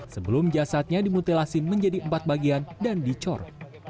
sebelum jasadnya dimutilasi menjadi empat bagian dan dicor